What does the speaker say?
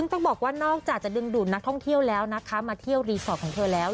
ต้องบอกว่านอกจากจะดึงดูดนักท่องเที่ยวแล้วนะคะมาเที่ยวรีสอร์ทของเธอแล้ว